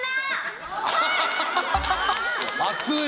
熱い！